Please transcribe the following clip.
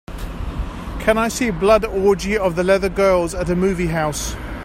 Can I see Blood Orgy of the Leather Girls at a movie house.